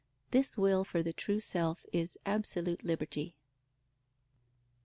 This will for the true self is absolute liberty.